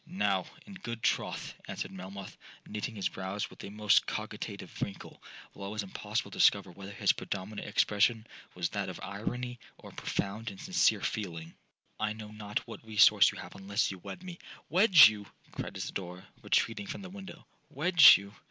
'—'Now, in good troth,' answered Melmoth, knitting his brows with a most cogitative wrinkle, while it was impossible to discover whether his predominant expression was that of irony or profound and sincere feeling—'I know not what resource you have unless you wed me.'—'Wed you!' cried Isidora, retreating from the window—'Wed you!'